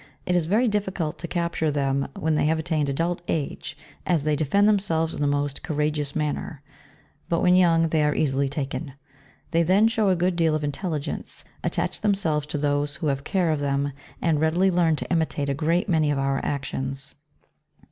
It is very difficult to capture them when they have attained adult age, as they defend themselves in the most cou rageous manner ; but when young they are easily taken ; they then show a good deal of intelligence, attach themselves to those who have care of them, and readily learn to imitate a great many of our actions.